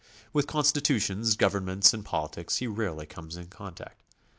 With constitutions, governments, and politics he rarely comes in contact.